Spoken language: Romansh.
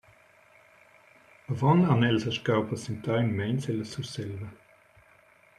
Avon han els astgau passentar in meins ella Surselva.